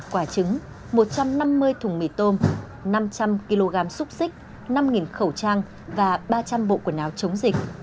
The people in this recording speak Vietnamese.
một quả trứng một trăm năm mươi thùng mì tôm năm trăm linh kg xúc xích năm khẩu trang và ba trăm linh bộ quần áo chống dịch